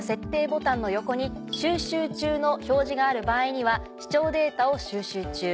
ボタンの横に「収集中」の表示がある場合には視聴データを収集中。